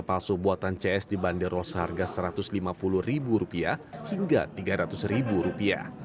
palsu buatan cs dibanderol seharga rp satu ratus lima puluh hingga rp tiga ratus